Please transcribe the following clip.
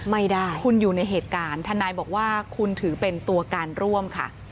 ไม่ได้คุณอยู่ในเหตุการณ์ทนายบอกว่าคุณถือเป็นตัวการร่วมค่ะ